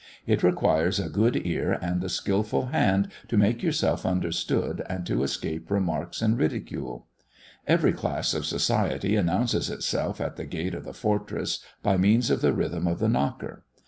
It requires a good ear and a skilful hand to make yourself understood and to escape remarks and ridicule. Every class of society announces itself at the gate of the fortress by means of the rythm of the knocker.